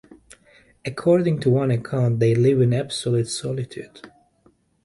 According to one account they live in absolute solitude.